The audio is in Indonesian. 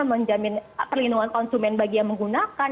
menjamin perlindungan konsumen bagi yang menggunakan